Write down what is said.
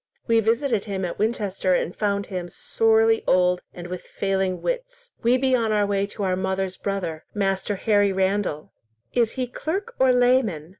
We visited him at Winchester, and found him sorely old and with failing wits. We be on our way to our mother's brother, Master Harry Randall." "Is he clerk or layman?